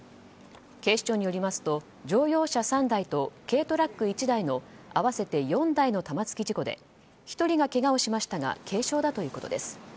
警視庁によりますと乗用車３台と軽トラック１台の合わせて４台の玉突き事故で１人がけがをしましたが軽傷だということです。